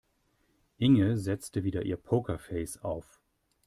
Inge setzte wieder ihr Pokerface auf.